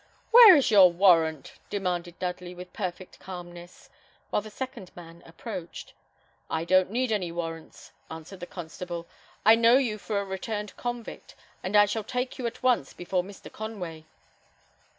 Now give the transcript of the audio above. "Where is your warrant?" demanded Dudley, with perfect calmness, while the second man approached. "I don't need any warrants," answered the constable. "I know you for a returned convict; and I shall take you at once before Mr. Conway."